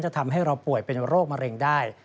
ทำให้เราป่วยเป็นโรคมะเร็งได้